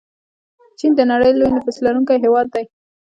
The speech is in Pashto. چین د نړۍ لوی نفوس لرونکی هیواد دی.